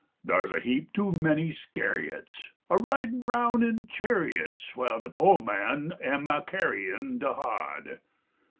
Dar s a heap too many Scariots A ridin roun in chariots, AVhile de po man am a carryin de hod.